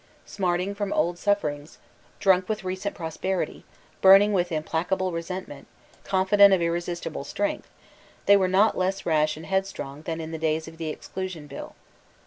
Smarting from old sufferings, drunk with recent prosperity, burning with implacable resentment, confident of irresistible strength, they were not less rash and headstrong than in the days of the Exclusion Bill.